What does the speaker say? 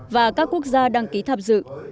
và các quốc gia đăng ký tham dự